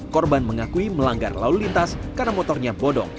korban mengakui melanggar lalu lintas karena motornya bodong